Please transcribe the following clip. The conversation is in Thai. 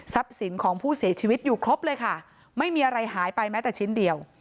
สินของผู้เสียชีวิตอยู่ครบเลยค่ะไม่มีอะไรหายไปแม้แต่ชิ้นเดียว